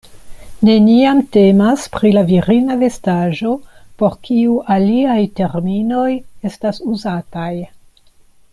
Neniam temas pri la virina vestaĵo, por kiu aliaj terminoj estas uzataj.